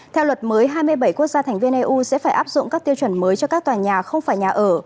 theo luật mới hai mươi bảy quốc gia thành viên eu sẽ phải áp dụng các tiêu chuẩn mới cho các tòa nhà không phải nhà ở